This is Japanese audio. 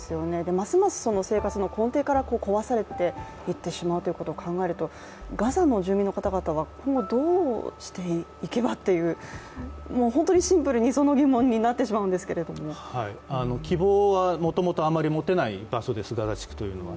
ますます生活の根底から壊されていってしまうということを考えるとガザの住民の方々は今後どうしていけばという本当にシンプルにその疑問になってしまうんですけれども希望はもともとあまり持てない場所です、ガザ地区というのは。